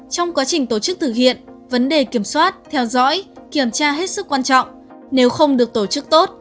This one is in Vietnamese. trong quá trình tổ chức thực hiện vấn đề kiểm soát theo dõi kiểm tra hết sức quan trọng nếu không được tổ chức tốt